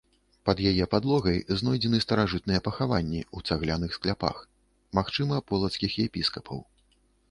Пад яе падлогай знойдзены старажытныя пахаванні ў цагляных скляпах, магчыма, полацкіх епіскапаў.